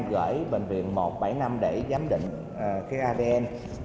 gửi bệnh viện một bảy nam để giám định cái adn